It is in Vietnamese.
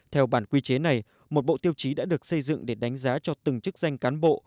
theo bản quy chế này một bộ tiêu chí đã được xây dựng để đánh giá cho từng chức danh cán bộ